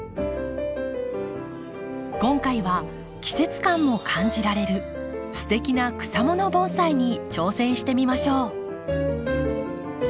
今回は季節感も感じられるすてきな草もの盆栽に挑戦してみましょう。